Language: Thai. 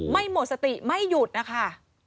ไม่หมดสติไม่หยุดนะคะ